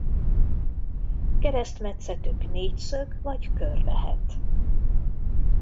Keresztmetszetük négyszög vagy kör lehet.